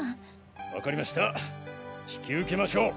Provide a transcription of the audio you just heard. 分かりました引き受けましょう。